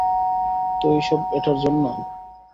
তো এই সব এটার জন্যে?